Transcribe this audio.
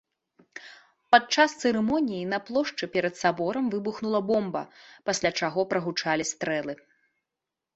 Пад час цырымоніі на плошчы перад саборам выбухнула бомба, пасля чаго прагучалі стрэлы.